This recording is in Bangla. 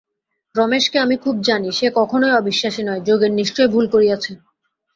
রমেশকে আমি খুব জানি–সে কখনোই অবিশ্বাসী নয়, যোগেন নিশ্চয়ই ভুল করিয়াছে।